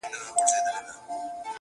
زه بې له تا گراني ژوند څنگه تېر كړم~